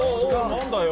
何だよ！